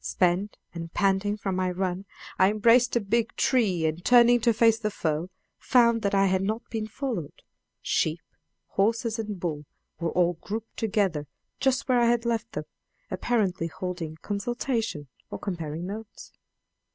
Spent and panting from my run, I embraced a big tree, and turning to face the foe, found that I had not been followed: sheep, horses, and bull were all grouped together just where I had left them, apparently holding a consultation, or comparing notes.